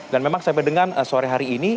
dan memang sampai dengan sore hari ini